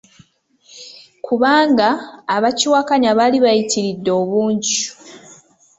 Kubanga abakiwakanya baali bayitiridde obungi.